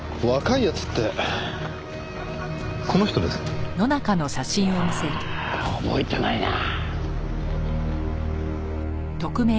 いやあ覚えてないなあ。